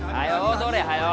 踊れはよ。